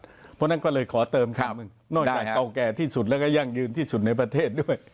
เพราะฉะนั้นก็เลยขอเติมท่านหนึ่งนอกจากเก่าแก่ที่สุดแล้วก็ยั่งยืนที่สุดในประเทศด้วย